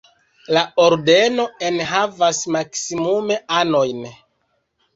La Ordeno enhavas maksimume anojn.